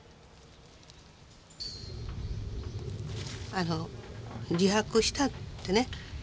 あの「自白した」ってね。